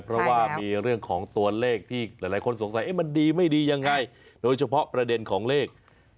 เพราะว่ามีเรื่องของตัวเลขที่หลายคนสงสัยมันดีไม่ดียังไงโดยเฉพาะประเด็นของเลข